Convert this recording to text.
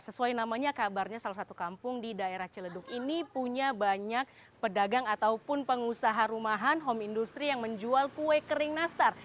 sesuai namanya kabarnya salah satu kampung di daerah ciledug ini punya banyak pedagang ataupun pengusaha rumahan home industry yang menjual kue kering nastar